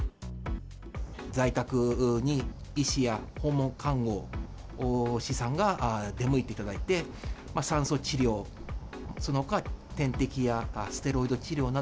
在宅に医師や訪問看護師さんが出向いていただいて、酸素治療、そのほか点滴やステロイド治療な